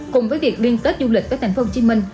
cùng với việc liên kết du lịch tới thành phố hồ chí minh